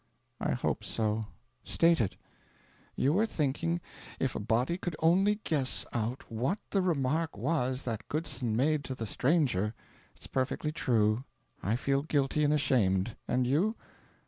"I hope so. State it." "You were thinking, if a body could only guess out WHAT THE REMARK WAS that Goodson made to the stranger." "It's perfectly true. I feel guilty and ashamed. And you?"